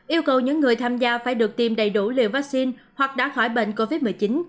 yêu cầu những người tham gia phải được tiêm đầy đủ liều vaccine hoặc đã khỏi bệnh covid một mươi chín